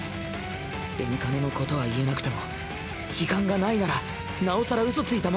レンカノのことは言えなくても時間がないならなおさらうそついた